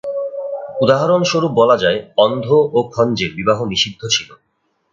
উদাহরণস্বরূপ বলা যায়, অন্ধ ও খঞ্জের বিবাহ নিষিদ্ধ ছিল।